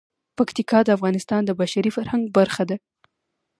پکتیکا د افغانستان د بشري فرهنګ برخه ده.